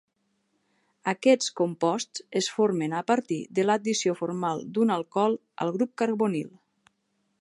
Aquests composts es formen a partir de l'addició formal d'un alcohol al grup carbonil.